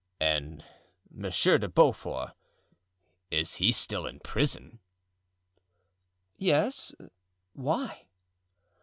"And M. de Beaufort—is he still in prison?" "Yes. Why?"